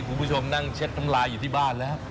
คุณผู้ชมนั่งเช็ดคำไลน์อยู่ที่บ้านนะครับ